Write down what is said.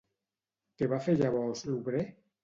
Què va fer llavors l'obrer?